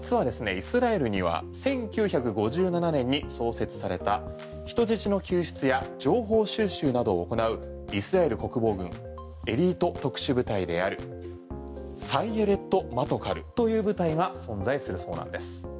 イスラエルには１９５７年に創設された人質の救出や情報収集などを行うイスラエル国防軍エリート特殊部隊であるサイェレット・マトカルという部隊が存在するそうなんです。